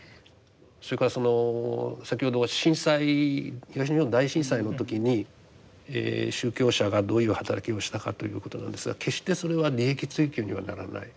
それから先ほどは震災東日本大震災の時に宗教者がどういう働きをしたかということなんですが決してそれは利益追求にはならない。